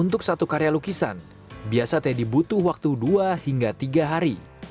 untuk satu karya lukisan biasa teddy butuh waktu dua hingga tiga hari